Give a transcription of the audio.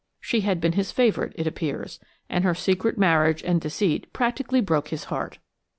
She had been his favourite, it appears, and her secret marriage and deceit practically broke his heart.